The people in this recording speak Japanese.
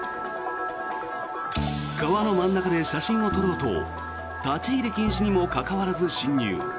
川の真ん中で写真を撮ろうと立ち入り禁止にもかかわらず侵入。